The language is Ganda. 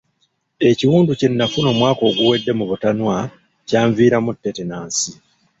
Ekiwundu kye nafuna omwaka oguwedde mu butanwa kyanviiramu tetanansi.